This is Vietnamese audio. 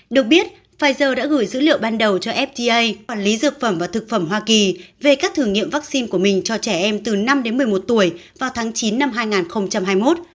được biết pfizer đã gửi dữ liệu ban đầu cho fda quản lý dược phẩm và thực phẩm hoa kỳ về các thử nghiệm vaccine của mình cho trẻ em từ năm đến một mươi một tuổi vào tháng chín năm hai nghìn hai mươi một